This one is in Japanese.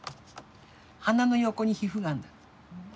鼻の横に皮膚がんだって。